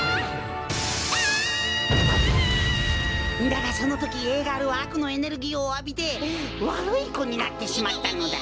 だがそのときＡガールはあくのエネルギーをあびてわるいこになってしまったのだ。